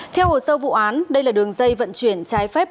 theo hồ sơ vụ án đây là đường dây vận chuyển trái phép ma túy